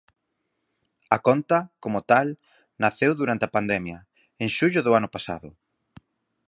A conta, como tal, naceu durante a pandemia, en xullo do ano pasado.